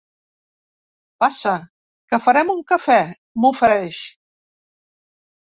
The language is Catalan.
Passa, que farem un cafè —m'ofereix.